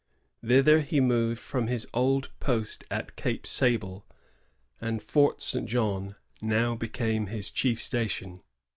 ^ Thither he removed from his old post at Cape Sable, and Fort St. Jean now became his chief station.